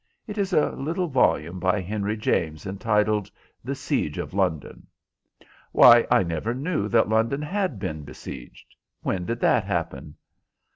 "It is a little volume by Henry James, entitled The Siege of London." "Why, I never knew that London had been besieged. When did that happen?"